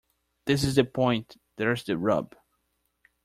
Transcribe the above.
This is the point. There's the rub.